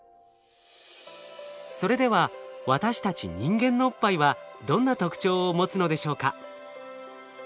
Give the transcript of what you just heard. それでは私たち人間のおっぱいはどんな特徴を持つのでしょうか？